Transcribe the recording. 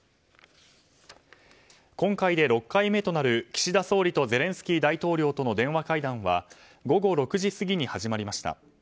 今回で６回目となる、岸田総理とゼレンスキー大統領との電話会談は午後６時過ぎに始まりました。